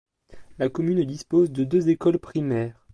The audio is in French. La commune dispose de deux écoles primaires.